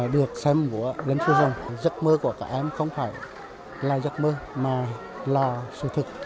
được xem của lần trước rằng giấc mơ của các em không phải là giấc mơ mà là sự thật